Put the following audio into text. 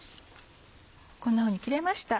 こんなふうに切れました。